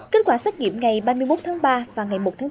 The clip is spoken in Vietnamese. kết quả xét nghiệm ngày ba mươi một tháng ba và ngày một tháng bốn